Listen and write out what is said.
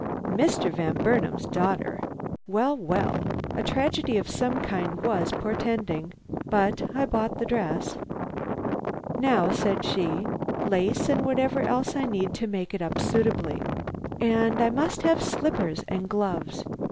Mr. Van Burnam's daughter! Well, well! A tragedy of some kind was portending! But I bought the dress. "Now," said she, "lace, and whatever else I need to make it up suitably. And I must have slippers and gloves.